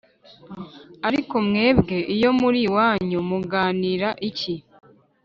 Ariko mwebwe iyo muri iwanyu muganira iki?